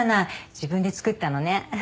自分で作ったのね。